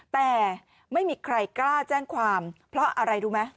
แต่ไม่มีใครกล้าแจ้งความเพราะอะไรรู้ไหม